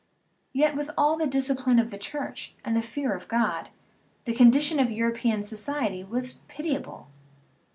Yet, with all the discipline of the Church and the fear of God, the condition of European society was pitiable.